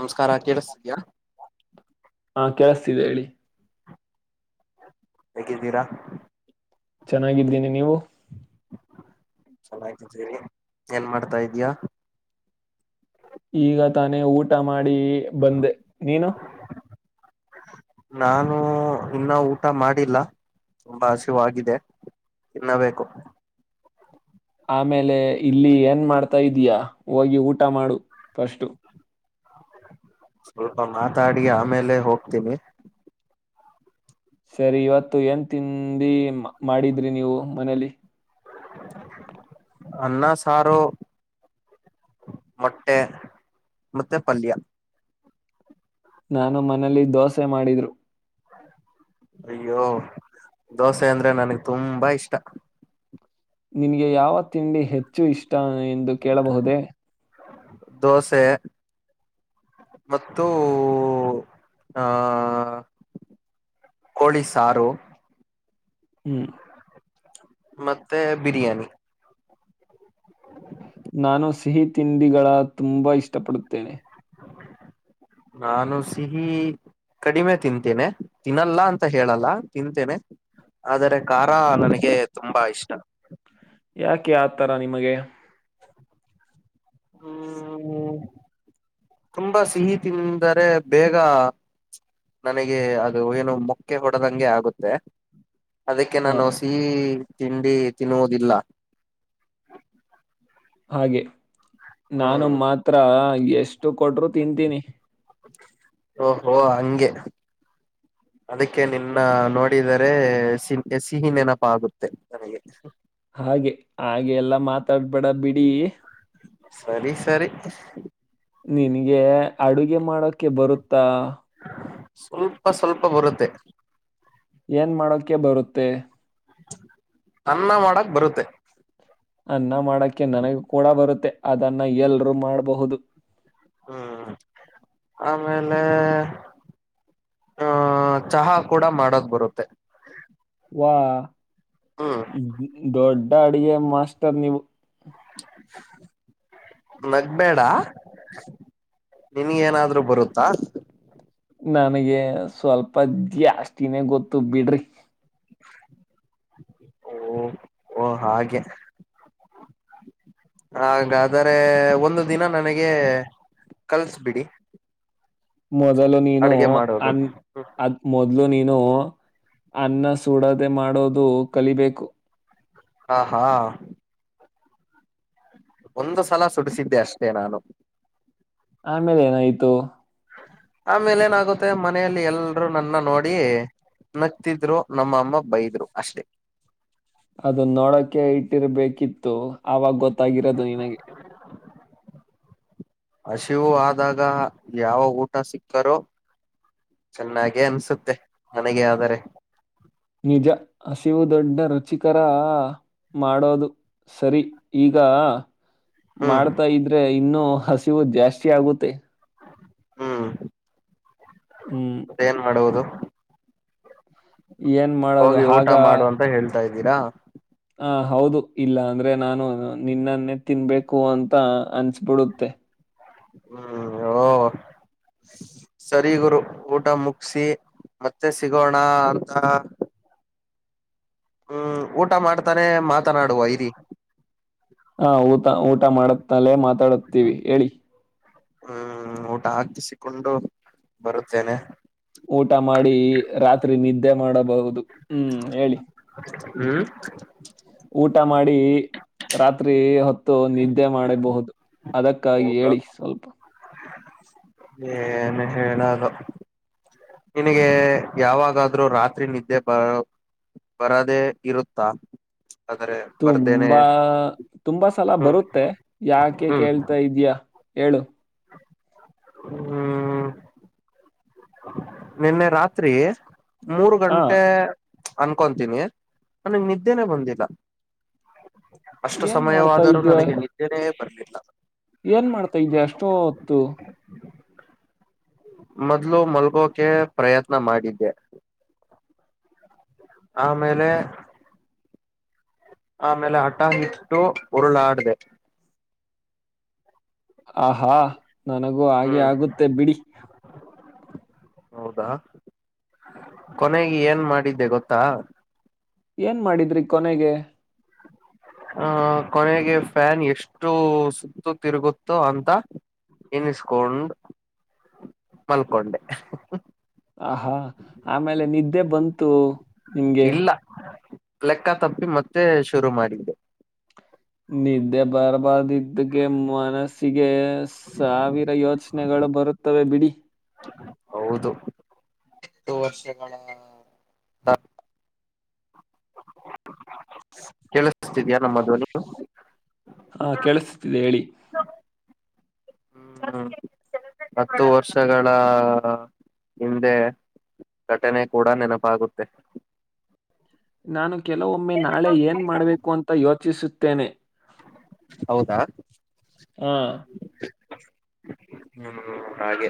ನಮಸ್ಕಾರ ಕೇಳಿಸ್ತಿದ್ಯಾ ಹಾ ಕೇಳಸ್ತಿದೆ ಹೇಳಿ ಹೇಗಿದ್ದೀರಾ ಚೆನ್ನಾಗಿದ್ದೀನಿ ನೀವು ಚೆನ್ನಾಗತಿದ್ದೀರಿ ಏನ್ ಮಾಡ್ತಾ ಇದಯ ಈಗ ತಾನೇ ಊಟ ಮಾಡಿ ಬಂದೆ ನೀನು ನಾನು ಇನ್ನೂ ಊಟ ಮಾಡಿಲ್ಲ ತುಂಬಾ ಹಸಿವಾಗಿದೆ ತಿನ್ನಬೇಕು ಆಮೇಲೆ ಇಲ್ಲಿ ಏನ್ ಮಾಡಾತಾ ಇದೀಯಾ ಹೋಗಿ ಊಟ ಮಾಡು ಫಸ್ಟು ಸ್ವಲ್ಪ ಮಾತಾಡಿ ಆಮೇಲೆ ಹೋಗ್ತೀನಿ ಸರಿ ಇವತ್ತು ಎನ್ ತಿಂಡಿ ಮಾಡಿದ್ರಿ ನೀವು ಮನೇಲಿ ಅಣನ್ನ ಸಾರೋ ಮೊಟ್ಟೆ ಮತ್ತೆ ಪಲ್ಯ ನಾನು ಮನಲಿ ದೋಸೆ ಮಾಡಿದ್ರು ಅಯ್ಯೋ ದೋಸೆ ಅಂದ್ರೆ ನನ್ಗ್ ತುಂಬಾ ಇಷ್ಟ ನಿನಗೆ ಯಾವ ತಿಂಡಿ ಹೆಚ್ಚು ಇಷ್ಟ ಎಂದು ಕೇಳಬಹುದೇ ದೋಸೆ ಮತ್ತು ಆ ಕೋಳಿ ಸಾರು ಹ್ಮ್ ಮತ್ತೆ ಬಿರಿಯಾನಿ ನಾನು ಸಿಹಿ ತಿಂಡಿಗಳ ತುಂಬಾ ಇಷ್ಟಪಡುತ್ತೇನೆ. ನಾನು ಸಿಹಿ ಕಡಿಮೆ ತಿಂತೇನೆ ತಿನ್ನಲ್ಲ ಅಂತ ಹೇಳಲ್ಲ ತಿಂತೇನೆ ಆದರೆ ಖಾರ ನನಗೆ ತುಂಬಾ ಇಷ್ಟಾ ಯಾಕೆ ಆತರ ನಿಮಗೆ ಹ್ಮ ತುಂಬಾ ಸಿಹಿ ತಿಂದರೆ ಬೇಗ ನನಗೆ ಅದು ಏನು ಮೊಕ್ಕೆ ಹೊಡದಂಗೆ ಆಗುತ್ತೆ ಅದಕ್ಕೆ ಹಾ ನಾನು ವಸಿ ತಿಂಡಿ ತಿನ್ನುವುದಿಲ್ಲಾ ಹಾಗೆ ನಾನು ಮಾತ್ರ ಎಷ್ಟು ಕೊಟ್ಟರು ತಿಂತೀನಿ. ಓಹೋ ಹಂಗೆ ಅದಕ್ಕೆ ನಿನ್ನ ನೋಡಿದರೆ ಸಿ ಸಿಹಿ ನೆನಪ ಆಗುತ್ತೆ ನನಗೆ ಹಾಗೆ ಹಾಗೆ ಎಲ್ಲಾ ಮಾತಾಡ್ಬೇಡಾ ಬಿಡಿ. ಸರಿ ಸರಿ ನಿನಗೆ ಅಡುಗೆ ಮಾಡೋಕ ಬರುತ್ತಾ. ಸ್ವಲ್ಪ ಸ್ವಲ್ಪ ಬರುತ್ತೆ ಏನ್ ಮಾಡಕ ಬರುತ್ತೆ ಅನ್ನ ಮಾಡಕ್ ಬರುತ್ತೆ ಅನ್ನ ಮಾಡಕ್ಕೆ ನನಗೂ ಕೂಡ ಬರುತ್ತೆ ಅದನ್ನ ಎಲ್ರೂ ಮಾಡಬಹುದು ಹ್ಮ್ ಆಮೇಲೆ ಆಹ ಚಹಾ ಕೂಡ ಮಾಡೊಕ ಬರುತ್ತೆ. ಹಾ ಹ್ಮ್ ದೊಡ್ಡ ಅಡಗೆ ಮಾಸ್ಟರ್ ನಿವು [inaudible] ನಗ್ಬೇಡ ನಿನ್ಗೇನಾದ್ರು ಬರುತ್ತಾ ನನಗೆ ಸ್ವಲ್ಪ ಜಾಸ್ತಿನೇ ಗೊತ್ತು ಬಿಡ್ರಿ. ಓ ಓ ಹಾಗೆ ಹಾಗಾದರೆೆಒಂದು ದಿನ ನನಗೆ ಕಲಿಸಿ ಬಿಡಿ ಮೊದಲು ನೀನು ಅನ್ ಅದ್ ಮೊದ್ಲು ನೀನು ಇನ್ನು ಅನ್ನ ಸುಡದೆ ಮಾಡೋದು ಕಲಿಬೇಕು. ಹಾ ಹಾ ಒಂದು ಸಲ ಸುಡಿಸಿದ್ದೆ ಅಷ್ಟೇ ನಾನು. ಆಮೇಲೆ ಏನಾಯ್ತು ಆಮೇಲೆ ಏನಾಗುತ್ತೆ ಮನೆಯಲ್ಲಿ ಎಲ್ರುೂ ನನ್ನ ನೋಡಿ ನತ್ತಿದ್ರು ನಮ್ಮಅಮ್ಮ ಬೈದ್ರು ಅಷ್ಟೇ ಅದು ನೋಡೋಕೆ ಇಟ್ಟಿರ್ಬೇಕಿತ್ತು ಆವಾಗ ಗೊತ್ತಾಗಿರೋದು ನಿನಗೆ ಹಶಿವು ಆದಾಗ ಯಾವ ಊಟ ಸಿಕ್ಕಾರೋ ಚೆನ್ನಾಗೆ ಅನ್ಸುತ್ತೆ ಮನೆಗೆ ಆದರೆ ನಿಜ ಹಸಿವು ದೊಡ್ಡ ರುಚಿಕರ ಮಾಡೋದು ಸರಿ ಈಗಾ ಹ್ಮ್ ಮಾಡ್ತಾ ಇದ್ರೆ ಇನ್ನುೂ ಹಸಿವು ಜಾಸ್ತಿ ಆಗುತ್ತೆ. ಹ್ಮ್ ಹ್ಮ್ ಮತ್ತೇನ್ ಮಾಡುವುದು ಏನ್ ಮಾಡೋದು ಹೋಗಿ ಊಟ ಆಗ ಮಾಡು ಅಂತ ಹೇಳ್ತಾ ಇದ್ದೀರಾ. ಹ ಹೌದು ಇಲ್ಲ ಅಂದ್ರೆ ನಾನು ನಿನ್ನನ್ನೇ ತಿನ್ಬೇಕು ಅಂತ ಅನ್ಸ್ಬಿಡುತ್ತೆ ಹ್ಮ್ ಸರಿ ಗುರು ಊಟ ಮುಗಸಿ ಮತ್ತೆ ಸಿಗೋಣ ಅಂತ ಹ್ಮ್ ಊಟ ಮಾಡ್ತಾನೆ ಮಾತನಾಡುವ ಇರಿ ಊ ಊಟ ಮಾಡುತ್ತಲೆ ಮಾತಾಡುತ್ತೀವಿ ಹೇಳಿ. ಹ್ಮ್ ಊಟ ಹಾಕಿಸಿಕೊಂಡು ಬರುತ್ತೇನೆ. ಊಟ ಮಾಡಿ ರಾತ್ರಿ ನಿದ್ದೆ ಮಾಡಬಹುದು ಹ್ಮ್ ಹೇಳಿ. ಹ್ಮ್ ಊಟ ಮಾಡಿ ರಾತ್ರಿ ಹೊತ್ ನಿದ್ದೆ ಮಾಡಿಬಹುದು ಅದಕ್ಕಾಗಿ ಹೌದಾ ಹೇಳಿ ಸ್ವಲ್ಪ ಏನು ಹೇಳೊದೊ ನಿನಿಗೆ ಯಾವಾಗಾದ್ರೂ ರಾತ್ರಿ ನಿದ್ದೆ ಬ ಬರದೇ ಇರುತ್ತಾ. ಆದ್ರೆ ಬರ್ದೇನೆ ತುಂಬಾ ತುಂಬಾ ಸ ಎಲ್ಲ ಹ್ಮ್ ಬರುತ್ತೆ ಯಾಕೆ ಹ್ಮ್ ಕೇಳ್ತಾ ಇದ್ಯಾ ಹೇಳು. ಹ್ಮ್ ನಿನ್ನೆ ರಾತ್ರಿ ಮೂರು ಆ ಗಂಟೆ ಅನ್ಕೊತೀನಿ ನನಿಗೆ ನಿದ್ದೇನೆ ಬಂದಿಲ್ಲ. ಅಷ್ಟು ಏನ್ ಮಾಡ್ತಾ ಸಮಯವಾದರೂ ಇದ್ದೆ ನನಗೆ ನಿದ್ದೆೇನೇ ಬರ್ಲಿಲ್ಲ. ಏನ್ ಮಾಡ್ತಾ ಇದ್ದೆ ಅಷ್ಟೊತ್ತು ಮೊದ್ಲು ಮಲ್ಗೋಕೆ ಪ್ರಯತ್ನ ಮಾಡಿದ್ದೆ ಆಮೇಲೆ ಆಮೇಲೆ ಹಠ ಇಟ್ಟು ಉರುಳು ಆಡಿದೆ ಆಹಾ ನನಗೂ ಹಾಗೆ ಹ್ಮ್ ಆಗುತ್ತೆ ಬಿಡಿ. ಹೌದಾ ಕೊನೆಗೆ ಏನ್ ಮಾಡಿದ್ದೆ ಗೊತ್ತಾ ಏನ್ ಮಾಡಿದ್ರಿ ಕೊನೆಗೆ [inaudible] ಆಹ ಕೊನೆಗೆ ಫ್ಯಾನ್ ಎಷ್ಟು ಸುತ್ತು ತಿರುಗುತ್ತೋ ಅಂತ ನೆನಿಸ್ಕೊಂಡು ಮಲ್ಕೊಂಡೆ ಆಹಾ ಆಮೇಲೆ ನಿದ್ದೆ ಬಂತು ನಿಮ್ಗೆ ಇಲ್ಲ ಲೆಕ್ಕ ತಪ್ಪಿ ಮತ್ತೆ ಶುರು ಮಾಡಿದ್ದೆ. ನಿದೇ ಬರ್ಬರ್ ಇದಕೆ ಮನಸ್ಸಿಗೆ ಸಾವಿರ ಯೋಚನೆಗಳು ಬರುತ್ತವೆ ಬಿಡಿ ಹೌದು ಎ ವರ್ಷಗಳ ಕೆೇಳಸ್ತಿದ್ಯಾ ನಮ್ಮ ದ್ವನಿ ಹಾ ಕೇಳಿಸತಿದೆ ಹೇಳಿ ಹ್ಮ್ ಹತ್ತು ವರ್ಷಗಳ ಹಿಂದೆ ಘಟನೆ ಕೂಡ ನೆನಪಾಗುತ್ತೆ ನಾನು ಕೆಲವೊಮ್ಮೆ ನಾಳೆ ಏನ್ ಮಾಡ್ಬೇಕು ಅಂತ ಯೋಚಿಸುತ್ತೇನೆ. ಹೌದಾ ಹಾ ಹ್ಮ ಹಾಗೆ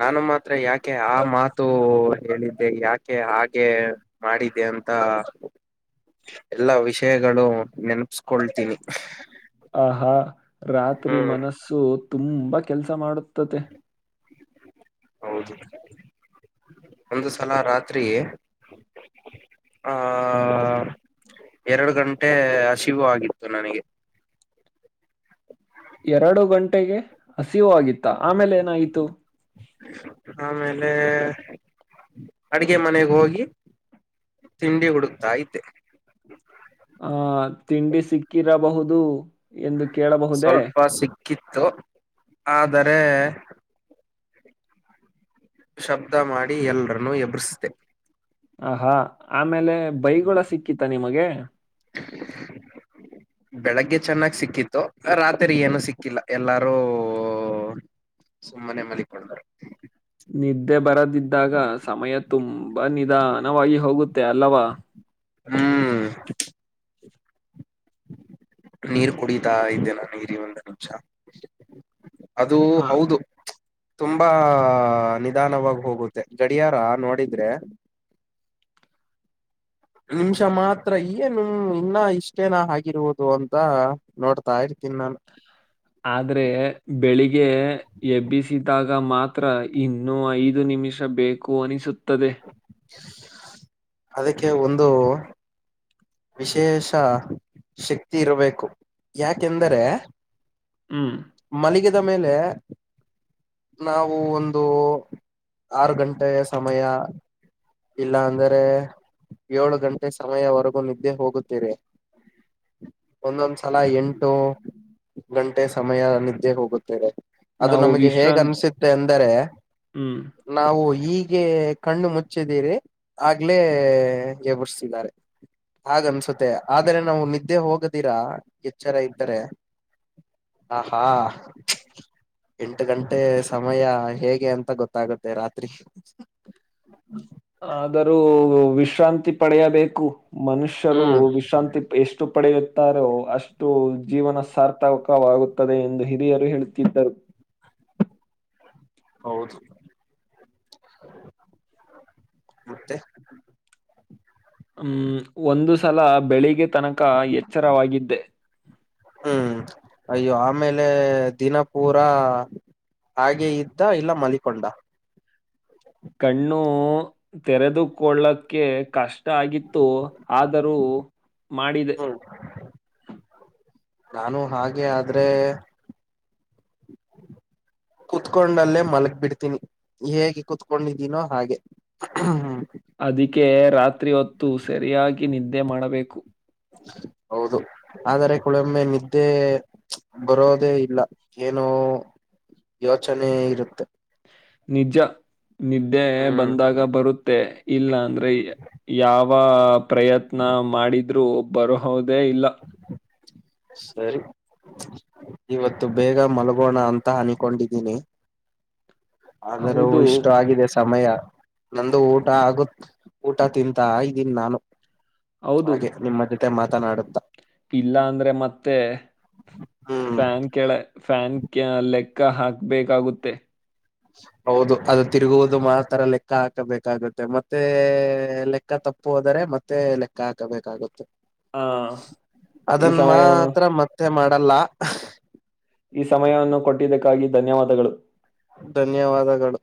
ನಾನು ಮಾತ್ರ ಯಾಕೆ ಆ ಮಾತು ಹೇಳಿದ್ದೆ ಯಾಕೆ ಹಾಗೆ ಮಾಡಿದೆ ಅಂತ ಎಲ್ಲಾ ವಿಷಯಗಳು ನೆನಪ್ಸ್ಕೊಳ್ತೀನಿ. ಆಹಾ ರಾತ್ರಿ ಹ್ಮ್ ಮನಸ್ಸು ತುಂಬಾ ಕೆಲ್ಸ ಮಾಡುತ್ತುತ್ತದೆ. ಹೌದು ಒಂದು ಸಲ ರಾತ್ರಿ ಆಆ ಎರಡು ಗಂಟೆ ಹಸಿವು ಆಗಿತ್ತು ನನಗೆ ಎರಡು ಗಂಟೆಗೆ ಹಸಿವು ಆಗಿತ್ತ ಆಮೇಲೆ ಏನಾಯಿತು. ಆಮೇಲೆ ಅಡಿಗೆ ಮನೆಗೆ ಹೋಗಿ ತಿಂಡಿ ಹುಡುತ್ತಾಯಿದ್ದೆ ಆ ತಿಂಡಿ ಸಿಕ್ಕಿರಬಹುದು ಎಂದು ಕೇಳಬಹುದೇ. ಕಿತ್ತು ಆದರೆ ಶಬ್ದ ಮಾಡಿ ಎಲ್ಲರನ್ನೂ ಎಬ್ರಿಸ್ದೆ ಆಹಾ ಆಮೇಲೆ ಬೈಗಳು ಸಿಕ್ಕಿತ ನಿಮಗೆ [inaudible] ಬೆಳಗ್ಗೆ ಚೆನ್ನಾಗ್ ಸಿಕ್ಕಿತ್ತು ರಾತ್ರಿ ಏನು ಸಿಕ್ಕಿಲ್ಲ ಎಲ್ಲಾರೂ. ಒ ಸುಮ್ಮನೆ ಮಲಿಕೊಂಡರು. ನಿದ್ದೆ ಬರದಿದ್ದಾಗ ಸಮಯ ತುಂಬಾ ನಿಧಾನವಾಗಿ ಹೋಗುತ್ತ. ತ್ತ ಅಲವಾ. ಹ್ಮ್. ನೀರು ಕುಡಿತಾ ಇದ್ದೆ ನ ನೀರಿ ಒಂದು ನಿಮಿಷ. ಅದು ಆ, ಹೌದು. ತುಂಬಾ ನಿಧಾನವಾಗಿ ಹೋಗುತ್ತೆ ಗಡಿಯಾರ ನೋಡಿದ್ರೆ. [inaudible] ನಿಮಿಷ ಮಾತ್ರ ಈ ನಮ ಇನ್ನ ಇಷ್ಟೇನ ಆಗಿರುವುದು ಅಂತ ನೋಡ್ತಾ ಇ. ತಿನ್ನ ಆದ್ರೆ ಬೆಳಿಗ್ಗೆ ಎಬ್ಬಿಸಿದಾಗ ಮಾತ್ರ ಇನ್ನೂ ಐದು ನಿ ನಿಮಿಷ ಬೇಕು ಅನಿಸುತ್ತದೆ. ಅದಕ್ಕೆ ಒಂದು. ವಿಶೇಷ ಶಕ್ತಿ ಇರಬೇಕು ಯಾಕೆಂದರೆ. ಹ್ಮ್. ಇದ ಮೇಲೆ. ನಾವು ಒಂದು ಆರು ಗಂಟೆಯ ಸಮಯ. ಇಲ್ಲ ಅಂದ್ರೆ ಏಳು ಗಂಟೆ ಸಮಯವರೆಗೂ ನಿದ್ದೆ ಹೋಗುತ್ತೀರಿ. ಒಂದೊಂದ್ಸಲ ಎಂಟು ಗಂಟೆ ಸಮಯ ನಿದ್ದೆ ಹೋಗುತ್ತೇವೆ. ಅದು ನಾವು ನಮಗೆ ಹೇಗ್ ವಿಶ್ರಾಂತಿ ಅನ್ಸುತ್ತೆ ಅಂದರೆ ಹ್ಮ್ ನಾವು. ಹೀಗೆ ಕಣ್ಣು ಮುಚ್ಚಿದಿರಿ ಆಗ್ಲೇ ಎಬರ್ಸ್ತಿದ್ದಾರೆ. ಹಾಗನ್ಸುತ್ತೆ ಆದ್ರೆ ನಾವು ನಿದ್ದೆ ಹೋಗದಿರಾ ಎಚ್ಚರ ಇದ್ದರೆ. ಹಾ ಹಾ. ಎಂಟು ಗಂಟೆ ಸಮಯ ಹೇಗೆ ಅಂತ ಗೊತ್ತಾಗುತ್ತೆ ರಾತ್ರಿ. ಆದರೂ ವಿಶ್ರಾಂತಿ ಪಡೆಯಬೇಕು. ಮನುಷ್ಯರು ಹ್ಮ್ ವಿಶ್ರಾಂತಿ ಎಷ್ಟು. ಪಡೆಯುತ್ತಾರೋ ಅಷ್ಟು ಜೀವನ ಸಾರ್ಥಕವಾಗುತ್ತದೆ ಎಂದು ಹಿರಿಯರು ಹೇಳುತ್ತಿದ್ದರು. ಹೌದು ಮತ್ತೆ. ಹ್ಮ ಒಂದು ಸಲ ಬೆಳಗ್ಗೆ ತನಕ ಎಚ್ಚರವಾಗಿದ್ದೆ. ಹ್ಮ್ ಅಯ್ಯೋ ಆಮೇಲೆ ದಿನ ಪೂರಾ. ಹಾಗೆ ಇದ್ದ ಇಲ್ಲ ಮಲಕೊಂಡ. ಕಣ್ಣು ತೆರೆದುಕೊಳ್ಳಕ್ಕೆ ಕಷ್ಟ ಆಗಿತ್ತು ಆದರೂ. ಮಾಡಿದೆ. ಹ್ಮ್ ನಾನು ಹಾಗೆ ಆದ್ರೆ. ಕುತ್ಕೊಂಡಲ್ಲೇ ಮಲಗ್ ಬಿಡ್ತೀನಿ ಹೇಗೆ ಕುತ್ಕೊಂಡಿದ್ದೀನೋ ಹಾಗೆ ಮ. ಅದಕ್ಕೆ ರಾತ್ರಿ ಹೊತ್ತು ಸರಿಯಾಗಿ ನಿದ್ದೆ ಮಾಡಬೇಕು. ಹೌದು ಆದರೆ ಕೊಳೊಮ್ಮೆ ನಿದ್ದೆ. ಬರೋದೇ ಇಲ್ಲ ಏನೋ ಯೋಚನೆ ಇರುತ್ತೆ. ನಿಜ ನಿದ್ದೆ ಹ್ಮ್ ಬಂದಾಗ ಬರುತ್ತೆ ಇಲ್ಲ ಅಂದ್ರೆ ಯಾವ. ಯಾವ ಪ್ರಯತ್ನ ಮಾಡಿದ್ರು ಬರಹೋದೇ ಇಲ್ಲ. ಸರಿ. ಇವತ್ತು ಬೇಗ ಮಲ್ಗೋಣ ಅಂತ ಅನ್ಕೊಂಡಿದ್ದೀನಿ. ಆದರೂ ಹೌದು ಇಷ್ಟು ಆಗಿದೆ ಸಮಯ. ನಂದು ಊಟ ಆಗತ್ ಊಟ ತಿಂತ ಇದೀನಿ ನಾನು. ಹೌದು ಹಾಗೆ ನಿಮ್ಮ ಜೊತೆ ಮಾತನಾಡುತ್ತ. ಇಲ್ಲ ಅಂದ್ರೆ ಮತ್ತೆ ಹ್ಮ್ ಫ್ಯಾನ್ ಕೆಳ ಫ್ಯಾನ್. ಲೆಕ್ಕ ಹಾಕ್ಬೇಕಾಗುತ್ತೆ. ಹೌದು ಅದು ತಿರುಗುವುದು ಮಾತ್ರ ಲೆಕ್ಕ ಹಾಕಬೇಕಾಗುತ್ತೆ ಮತ್ತೆ ಲೆಕ್ಕ. ತಪ್ಪು ಹೋದರೆ ಮತ್ತೆ ಲೆಕ್ಕ ಹಾಕಬೇಕಾಗುತ್ತೆ. ಆ ಈ ಅದನ್ ಸಮಯ ಮಾತ್ರ ಮತ್ತೆ ಮಾಡಲ್ಲ. ಈ ಸಮಯವನ್ನು ಕೊಟ್ಟಿದ್ದಕ್ಕಾಗಿ ಧನ್ಯವಾದಗಳು. ಧನ್ಯವಾದಗಳು.